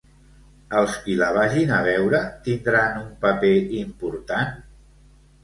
Els qui la vagin a veure, tindran un paper important?